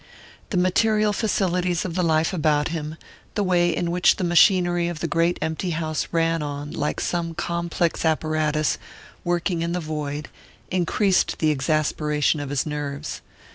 The material facilities of the life about him, the way in which the machinery of the great empty house ran on like some complex apparatus working in the void, increased the exasperation of his nerves.